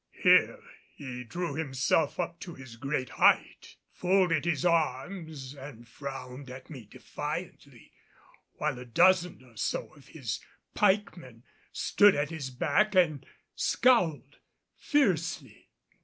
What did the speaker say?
Here he drew himself up to his great height, folded his arms and frowned at me defiantly, while a dozen or so of his pikemen stood at his back and scowled fiercely.